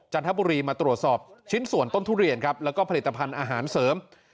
จันทบุรีมาตรวจสอบชิ้นส่วนต้นทุเรียนครับแล้วก็ผลิตภัณฑ์อาหารเสริม